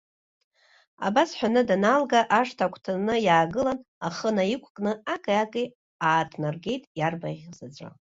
Абас ҳәаны данаалга, ашҭа агәҭаны иаагылан, ахы наиқәкны аки-ки ааҭнаргеит иарбаӷь заҵәы.